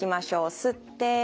吸って。